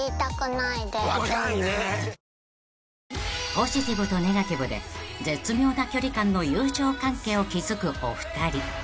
［ポジティブとネガティブで絶妙な距離感の友情関係を築くお二人］